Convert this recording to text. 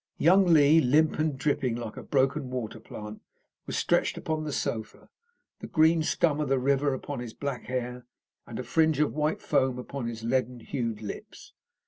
Young Lee, limp and dripping like a broken water plant, was stretched upon the sofa, the green scum of the river upon his black hair, and a fringe of white foam upon his leaden hued lips.